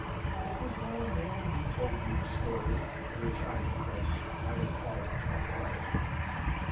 It was not a man who told me the story which, I confess, I imparted to my father."